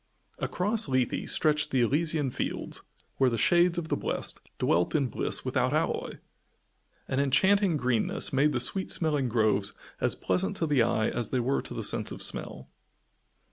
Across Lethe stretched the Elysian Fields where the shades of the blest dwelt in bliss without alloy. An enchanting greenness made the sweet smelling groves as pleasant to the eye as they were to the sense of smell.